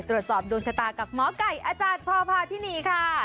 ตรวจสอบดวงชะตากับหมอไก่อาจารย์พอพาที่นี่ค่ะ